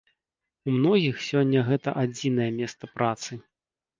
У многіх сёння гэта адзінае месца працы.